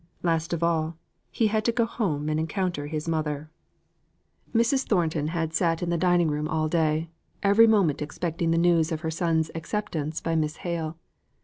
Last of all, he had to go home and encounter his mother. Mrs. Thornton had sat in the dining room all day, every moment expecting the news of her son's acceptance by Miss Hale.